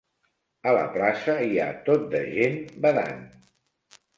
A la plaça hi ha tot de gent badant.